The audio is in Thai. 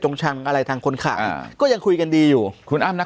ชังอะไรทางคนขับก็ยังคุยกันดีอยู่คุณอ้ำนัก